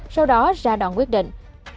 sau đó ra đoạn quyết định